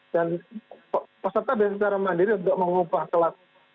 dan peserta bisa secara mandiri untuk mengubah kelas